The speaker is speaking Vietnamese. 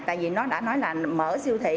tại vì nó đã nói là mở siêu thị